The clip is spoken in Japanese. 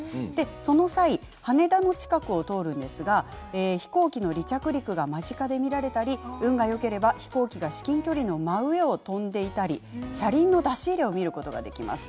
その際羽田の近くを通るんですが飛行機の離着陸が間近で見られたり運がよければ飛行機が至近距離の真上を飛んでいたり車輪の出し入れを見ることができます。